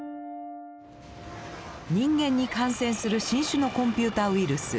人間に感染する新種のコンピューターウイルス。